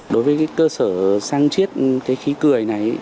đối với cơ sở săn chiết khí cười này